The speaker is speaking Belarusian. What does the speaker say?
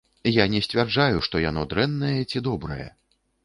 Я не сцвярджаю, што яно дрэннае ці добрае.